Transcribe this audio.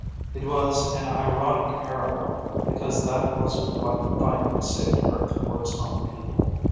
It was an ironic parallel, because that was what finally saved Earth for its own people.